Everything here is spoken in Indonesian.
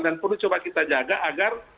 dan perlu coba kita jaga agar